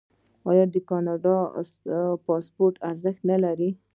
آیا د کاناډا پاسپورت ارزښت نلري؟